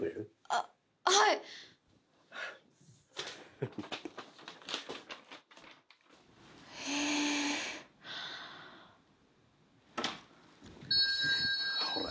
あっはいええほら